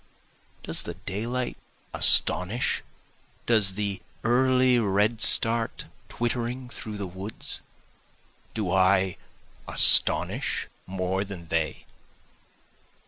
Does the daylight astonish? does the early redstart twittering through the woods? Do I astonish more than they?